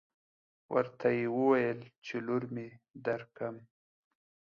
ورته يې وويل چې لور مې درکم.